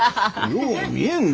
よう見えんのう。